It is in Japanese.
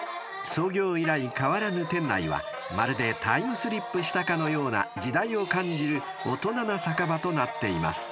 ［創業以来変わらぬ店内はまるでタイムスリップしたかのような時代を感じる大人な酒場となっています］